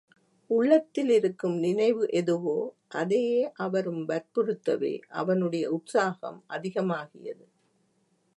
உள்ளத்திலிருக்கும் நினைவு எதுவோ அதையே அவரும் வற்புறுத்தவே அவனுடைய உற்சாகம் அதிகமாகியது.